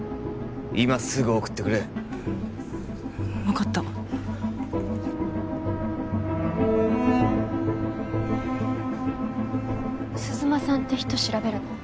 今すぐ送ってくれ分かった鈴間さんって人調べるの？